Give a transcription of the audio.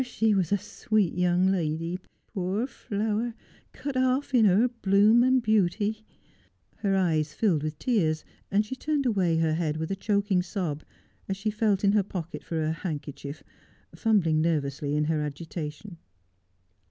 Ah, she was a sweet young lady, poor flower, cut off in her bloom and beauty.' Her eyes filled with tears, and she turned away her head with a choking sobas&he felt in her pocket for her handkerchief, fumbling nervously in her agitation.